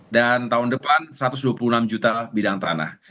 dan tahun depan satu ratus dua puluh enam juta bidang tanah